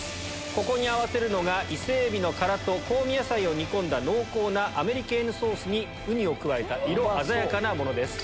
ここに合わせるのがイセエビの殻と香味野菜を煮込んだ濃厚なアメリケーヌソースにウニを加えた色鮮やかなものです。